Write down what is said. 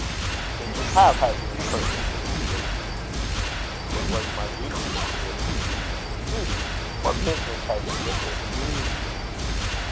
"Then you have had the impertinence to read it!" "It was my duty to read it." "Duty! What business had you with it?"